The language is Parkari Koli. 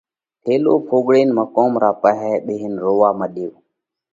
ٿيلو ڦڳوۯينَ مقوم رئہ پاهئہ ٻيهينَ روئا مڏيو۔